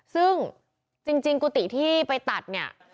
ซึ่งจริงกุฏิที่ไปตัดเนี่ย